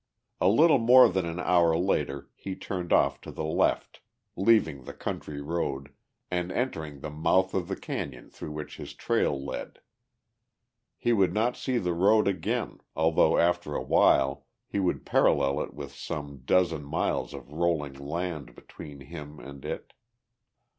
A little more than an hour later he turned off to the left, leaving the county road and entering the mouth of the canyon through which his trail led. He would not see the road again although after a while he would parallel it with some dozen miles of rolling land between him and it.